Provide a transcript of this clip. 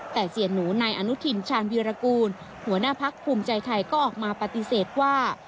แต่เสียหนูนายอนุทินชาญวีรกูลหัวหน้าพักภูมิใจไทยก็ออกมาปฏิเสธว่า